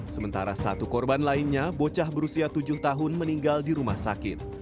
sementara satu korban lainnya bocah berusia tujuh tahun meninggal di rumah sakit